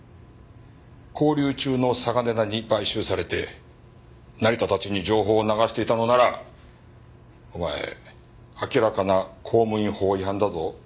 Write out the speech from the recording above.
勾留中の嵯峨根田に買収されて成田たちに情報を流していたのならお前明らかな公務員法違反だぞ。